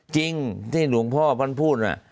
จริงที่หลวงพ่อท่านพูดว่า